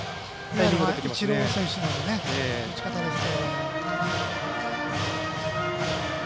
イチロー選手などの打ち方ですね。